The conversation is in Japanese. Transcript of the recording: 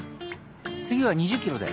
次は２０ｋｇで。